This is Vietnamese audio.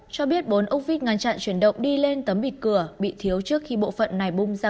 cho biết bốn úc vít ngăn chặn chuyển động đi lên tấm bịt cửa bị thiếu trước khi bộ phận này bung ra